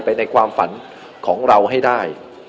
ในความฝันของเราให้ได้